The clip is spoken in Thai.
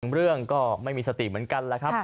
เรื่องก็ไม่มีสติเหมือนกันแล้วครับ